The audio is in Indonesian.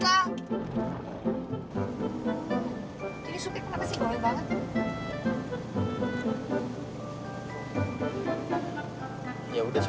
jadi supir kenapa sih bawel banget